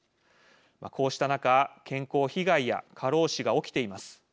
こうした中健康被害や過労死が起きています。